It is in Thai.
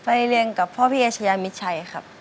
เรียนกับพ่อพี่เอชยามิดชัยครับ